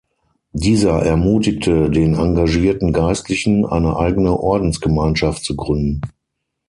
Dieser ermutigte den engagierten Geistlichen, eine eigene Ordensgemeinschaft zu gründen.